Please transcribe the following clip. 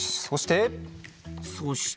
そして？